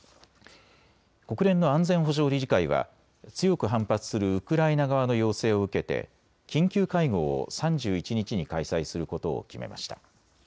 国連の安全保障理事会は強く反発するウクライナ側の要請を受けて緊急会合を３１日に開催することを決めました。